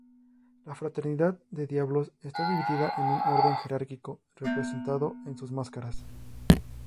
La fraternidad de diablos está dividida en un orden jerárquico, representado en sus máscaras.